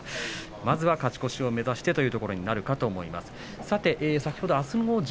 まずは勝ち越しを目指してというところになるかもしれません。